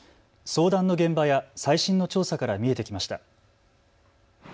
相談の現場や最新の調査から見えてきました。